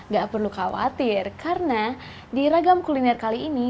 gak perlu khawatir karena di ragam kuliner kali ini